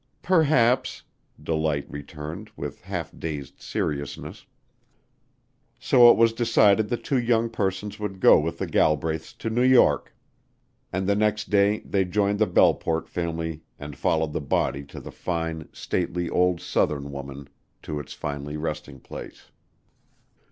"Perhaps!" Delight returned with half dazed seriousness. So it was decided the two young persons would go with the Galbraiths to New York, and the next day they joined the Belleport family and followed the body of the fine, stately old Southern woman to its last resting place.